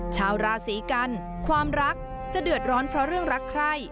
ชาวราศีกันความรักจะเดือดร้อนเพราะเรื่องรักใคร